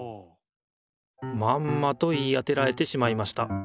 まんまと言い当てられてしまいました。